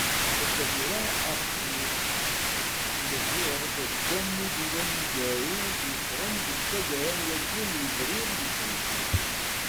Akka tura aql-i lhiɣ-d d wammud-inu aneggaru I d-yeffɣen deg taggara n wayyur n yebrir yezrin.